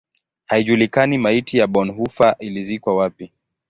Haijulikani maiti ya Bonhoeffer ilizikwa wapi.